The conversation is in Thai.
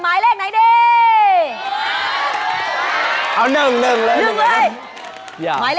ยุ่ยหมดแล้วอะ